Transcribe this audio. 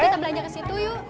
bisa belanja ke situ yuk